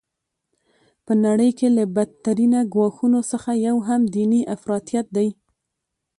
په نړۍ کي له بد ترینه ګواښونو څخه یو هم دیني افراطیت دی.